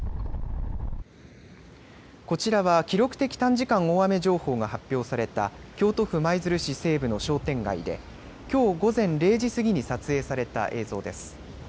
こちらは記録的短時間大雨情報が発表された京都府舞鶴市西部の商店街で、きょう午前０時過ぎに撮影された映像です。